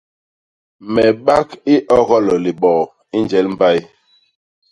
Me bak i ogol liboo i njel mbay.